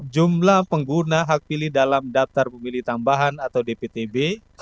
jumlah pengguna hak pilih dalam daftar pemilih tambahan atau dptb